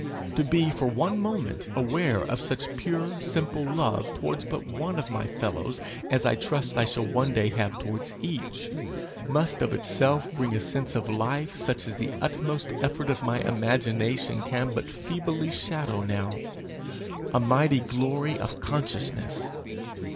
To be for one moment aware of such pure simple love towards but one of my fellows as I trust I shall one day have towards each, must of itself bring a sense of life such as the utmost effort of my imagination can but feebly shadow now a mighty glory of consciousness!